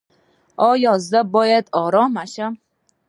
ایا زه باید ارام شم؟